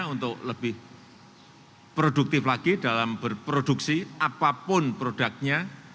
untuk lebih produktif lagi dalam berproduksi apapun produknya